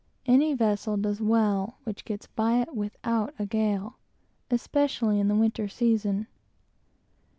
Any vessel does well which gets by it without a gale, especially in the winter season.